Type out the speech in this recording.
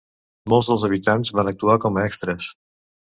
Molts dels habitants van actuar com a extres.